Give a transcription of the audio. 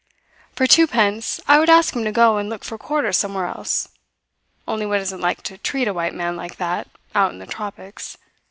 For two pence I would ask him to go and look for quarters somewhere else; only one doesn't like to treat a white man like that out in the tropics.